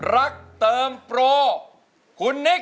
รักเติมโปรคุณนิคตอบ